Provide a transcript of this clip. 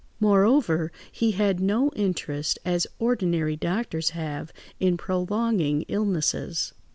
Moreover, he had no interest, as ordinary doctors have, in prolonging illnesses.